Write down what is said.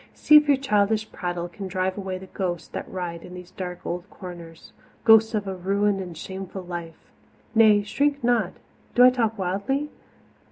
See if your childish prattle can drive away the ghosts that riot in these dark old corners ghosts of a ruined and shamed life! Nay, shrink not do I talk wildly?